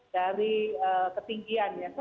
dari ketinggian ya